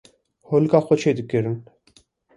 holika xwe çê dikirin